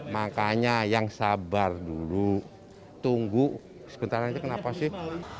makanya yang sabar dulu tunggu sebentar aja kenapa sih